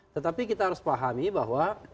tetapi kita harus pahami bahwa